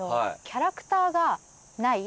キャラクターがない？